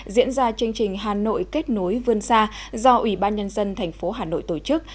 diễn ra chương trình hà nội kết nối vươn xa do ủy ban nhân dân thành phố hà nội tổ chức